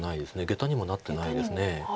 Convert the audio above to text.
ゲタにもなってないです。